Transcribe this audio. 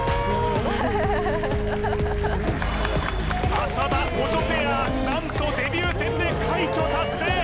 浅田・オチョペア何とデビュー戦で快挙達成！